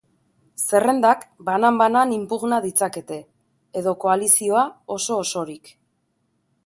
Zerrendak banan-banan inpugna ditzakete, edo koalizio oso-osorik.